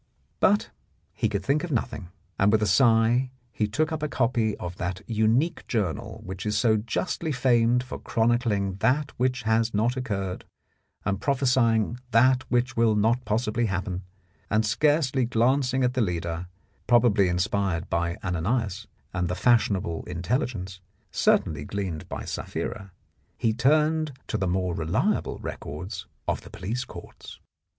But he could think of nothing, and with a sigh he took up a copy of that unique journal which is so justly famed for chronicling that which has not occurred and prophesying that which will not possibly happen, and scarcely glancing at the leader, probably inspired by Ananias, and the fashionable intelligence, certainly gleaned by Sapphira, he turned to the more reliable records of the police courts.